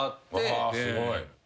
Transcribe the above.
・すごい。